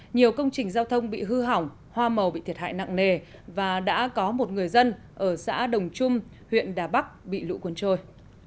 nhiều công trình giao thông bị hư hỏng hoa màu bị thiệt hại nặng nề và đã có một người dân ở xã đồng trung huyện đà bắc bị lũ cuốn trôi